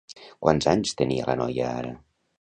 Quants anys tenia la noia ara?